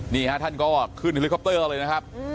นี่ฮะท่านก็ขึ้นเฮลิคอปเตอร์เลยนะครับ